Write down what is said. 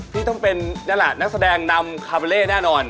พี่ต้องเป็นนั่นแหละนักแสดงนำคาเบเล่แน่นอน